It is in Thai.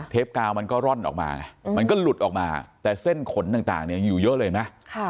เทปกาวมันก็ร่อนออกมามันก็หลุดออกมาแต่เส้นขนต่างอยู่เยอะเลยนะ